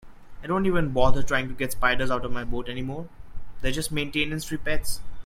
I don't even bother trying to get spiders out of my boat anymore, they're just maintenance-free pets.